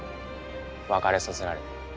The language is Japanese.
別れさせられて。